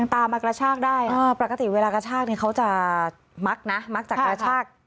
ตามมากระชากได้ปกติเวลากระชากเนี่ยเขาจะมักนะมักจะกระชาก